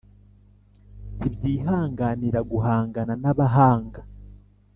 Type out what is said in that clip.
ntibyihanganira guhangana n’abahanga